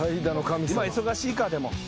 今忙しいかでも。